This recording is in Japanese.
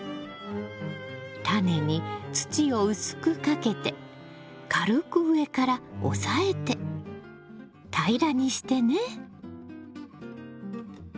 タネに土を薄くかけて軽く上から押さえて平らにしてね。